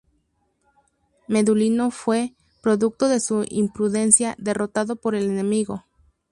Medulino fue, producto de su imprudencia, derrotado por el enemigo.